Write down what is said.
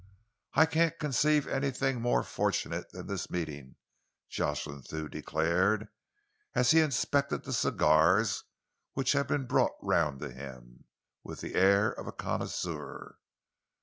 "I can't conceive anything more fortunate than this meeting," Jocelyn Thew declared, as he inspected the cigars which had been brought round to him, with the air of a connoisseur.